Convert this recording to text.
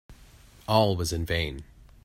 All was in vain.